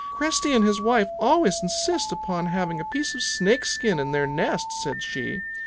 "Cresty and his wife always insist upon having a piece of Snake skin in their nest," said she.